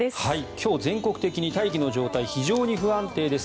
今日、全国的に大気の状態が非常に不安定です。